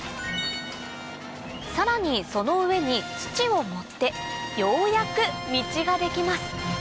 さらにその上に土を盛ってようやく道が出来ます